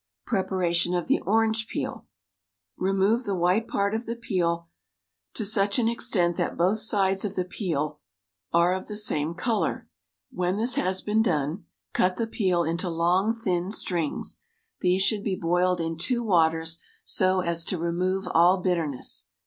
Preparation of the orange peel : Remove the white part of the peel to such an extent that both sides of the peel are of the same color. When this has been done cut the peel into long thin strings. These should be boiled in two waters so as to remove all bitterness.